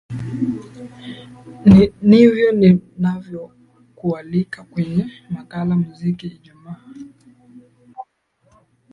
nivyo ninavyokualika kwenye makala muziki ijumaa